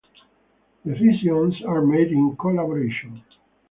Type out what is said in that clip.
Decisions are made in collaboration.